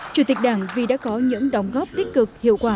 chủ tịch đảng vì đã có những đóng góp tích cực hiệu quả